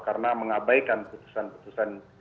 karena mengabaikan putusan putusan